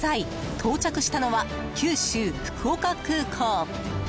到着したのは九州・福岡空港。